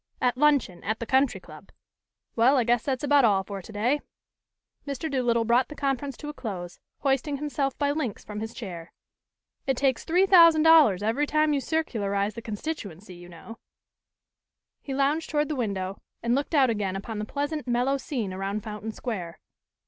at luncheon, at the Country Club! "Well, I guess that's about all for today." Mr. Doolittle brought the conference to a close, hoisting himself by links from his chair. "It takes $3000 every time you circularize the constituency, you know " He lounged toward the window and looked out again upon the pleasant, mellow scene around Fountain Square.